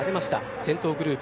先頭グループ。